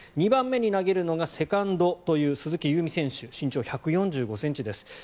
２番目に投げるのがセカンドという鈴木夕湖選手身長１４５ｃｍです。